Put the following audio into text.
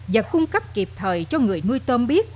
và cung cấp kịp thời cho người nuôi tôm biết